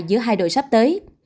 giữa hai đội sắp tới